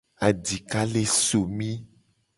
Adika le somi.